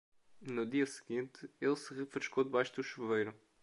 No dia seguinte, ele se refrescou debaixo do chuveiro.